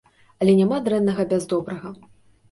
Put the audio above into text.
Але няма дрэннага без добрага!